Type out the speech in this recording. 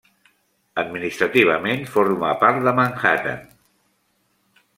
Administrativament, forma part de Manhattan.